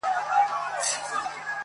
ستا د مخ د سپین کتاب پر هره پاڼه.